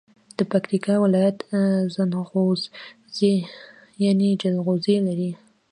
د پکیتکا ولایت زنغوزي یعنی جلغوزي لري.